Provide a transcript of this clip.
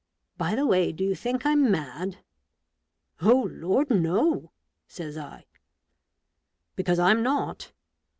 — By the way, do you think Vm mad ?"" Oh Lord, no !" says I. {C Because I'm not.